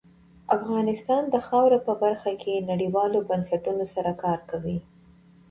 افغانستان د خاوره په برخه کې نړیوالو بنسټونو سره کار کوي.